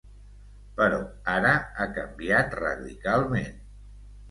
Però ara ha canviat radicalment.